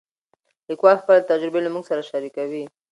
لیکوال خپلې تجربې له موږ سره شریکوي.